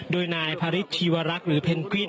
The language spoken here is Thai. ด้วยนายพารีชีวรักษ์หรือเป็นกลิ่น